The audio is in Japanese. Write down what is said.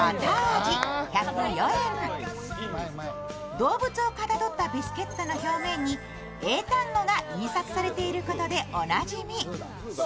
動物をかたどったビスケットの表面に英単語が印刷されていることでおなじみ。